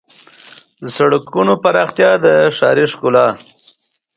د سړکونو د پراختیا او د ښاري ښکلا